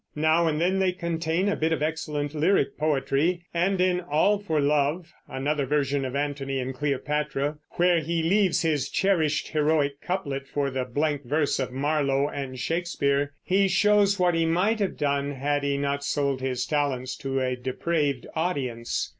Now and then they contain a bit of excellent lyric poetry, and in All for Love, another version of Antony and Cleopatra, where he leaves his cherished heroic couplet for the blank verse of Marlowe and Shakespeare, he shows what he might have done had he not sold his talents to a depraved audience.